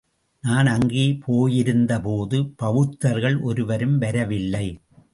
நான் அங்கு போயிருந்த போது பௌத்தர்கள் ஒருவரும் வரவில்லை.